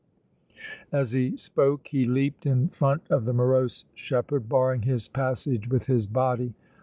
As he spoke he leaped in front of the morose shepherd, barring his passage with his body.